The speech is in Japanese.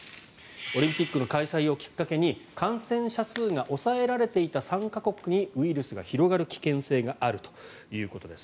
オリンピックの開催をきっかけに感染者数が抑えられていた参加国にウイルスが広がる危険性があるということです。